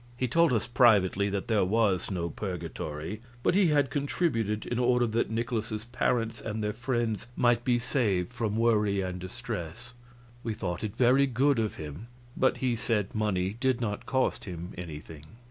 He told us privately that there was no purgatory, but he had contributed in order that Nikolaus's parents and their friends might be saved from worry and distress. We thought it very good of him, but he said money did not cost him anything.